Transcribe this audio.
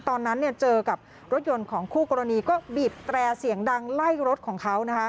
ตอนนั้นเจอกับรถยนต์ของคู่กรณีก็บีบแตรเสียงดังไล่รถของเขา